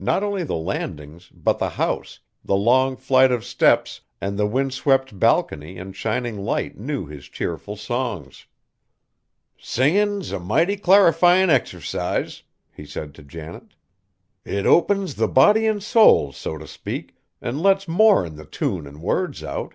Not only the landings, but the house, the long flight of steps, and the windswept balcony and shining Light knew his cheerful songs. "Singin' 's a might clarifyin' exercise," he said to Janet; "it opens the body an' soul, so t' speak, an' lets more'n the tune an' words out.